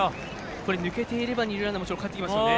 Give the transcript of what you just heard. これ抜けていれば二塁ランナー、当然かえってきますよね。